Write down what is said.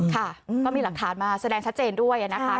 ค่ะก็มีหลักฐานมาแสดงชัดเจนด้วยนะคะ